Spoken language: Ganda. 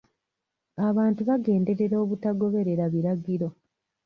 Abantu bagenderera obutagoberera biragiro.